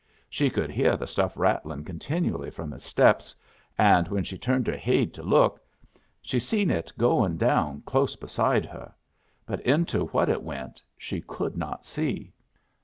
She could hear the stuff rattlin' continually from his steps, and when she turned her haid to look, she seen it goin' down close beside her, but into what it went she could not see.